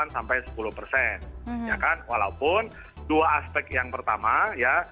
ya kan walaupun dua aspek yang pertama ya